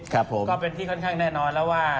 ครับผมก็เป็นที่ค่อนข้างแน่นอนแล้วว่า